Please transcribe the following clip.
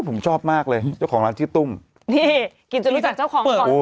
ผมชอบมากเลยเจ้าของร้านชื่อตุ้มนี่กินจะรู้จักเจ้าของก่อน